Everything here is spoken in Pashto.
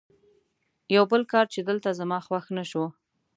یو بل کار چې دلته زما خوښ نه شو.